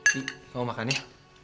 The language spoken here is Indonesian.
seru seru koreans